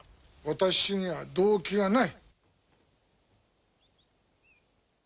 私には動機がない。